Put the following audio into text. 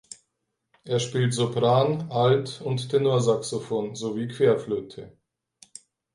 Er spielt Sopran-, Alt- und Tenorsaxophon sowie Querflöte.